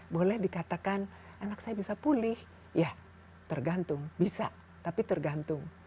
boleh dikatakan anak saya bisa pulih ya tergantung bisa tapi tergantung